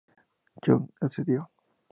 Jung accedió.